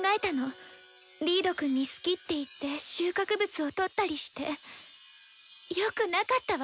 リードくんに好きって言って収穫物をとったりしてよくなかったわ。